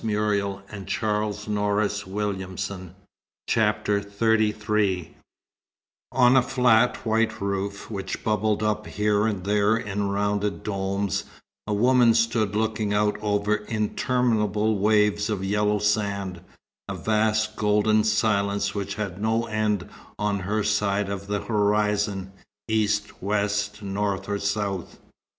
"I will take thee back," he amended. "Because I have thy promise." XXXIII On a flat white roof, which bubbled up here and there in rounded domes, a woman stood looking out over interminable waves of yellow sand, a vast golden silence which had no end on her side of the horizon, east, west, north, or south.